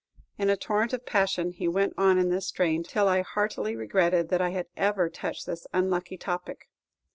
In a torrent of passion, he went on in this strain, till I heartily regretted that I had ever touched this unlucky topic.